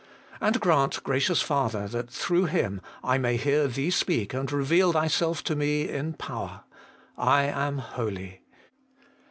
And grant, gracious Father, that through Him I may hear Thee speak and reveal Thyself to me in power : I AM HOLY.